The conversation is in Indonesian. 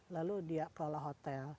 lalu dia kelola hotel